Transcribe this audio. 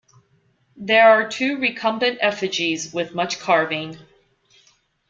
There are two recumbent effigies with much carving.